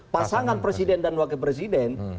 pasangan presiden dan wakil presiden